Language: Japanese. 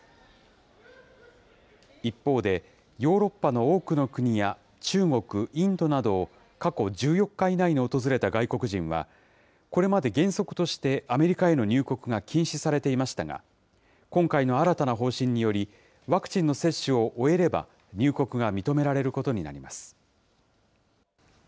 一方で、ヨーロッパの多くの国や中国、インドなどを過去１４日以内に訪れた外国人は、これまで原則としてアメリカへの入国が禁止されていましたが、今回の新たな方針により、ワクチンの接種を終えれば、入国が認められることになります。